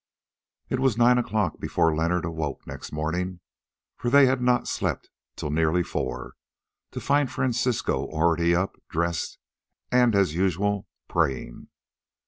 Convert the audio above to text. It was nine o'clock before Leonard awoke next morning—for they had not slept till nearly four—to find Francisco already up, dressed, and, as usual, praying.